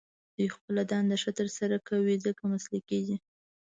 دوی خپله دنده ښه تر سره کوي، ځکه مسلکي دي.